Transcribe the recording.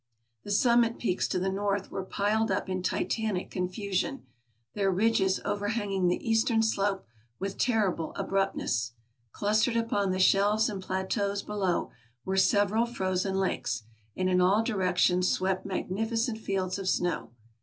The summit peaks to the north were piled up in titanic confusion, their ridges overhanging the eastern slope with terrible abrupt ness. Clustered upon the shelves and plateaus below were several frozen lakes, and in all directions swept magnificent fields of snow.